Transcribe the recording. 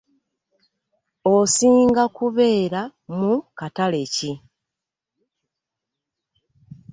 Osinga kubeera mu katale ki?